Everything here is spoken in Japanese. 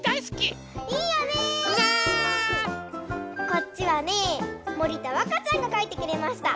こっちはねもりたわかちゃんがかいてくれました。